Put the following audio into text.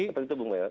seperti itu bu mayod